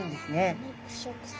腐肉食性。